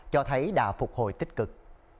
cho thấy đã phục hồi tích cực